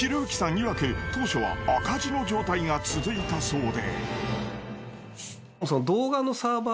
いわく当初は赤字の状態が続いたそうで。